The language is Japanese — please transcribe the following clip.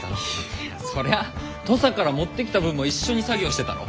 いやそりゃあ土佐から持ってきた分も一緒に作業してたろ？